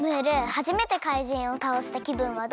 はじめて怪人をたおしたきぶんはどう？